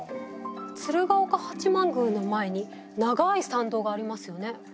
鶴岡八幡宮の前に長い参道がありますよね。